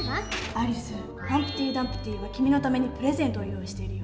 アリスハンプティ・ダンプティは君のためにプレゼントを用意してるよ。